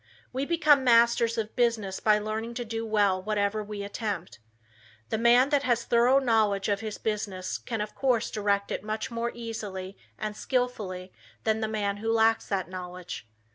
We become masters of business by learning to do well whatever we attempt. The man that has a thorough knowledge of his business can of course direct it much more easily and skillfully than the man who lacks that knowledge.